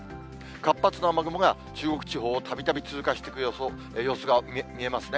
活発な雨雲が、中国地方をたびたび通過していく様子が見えますね。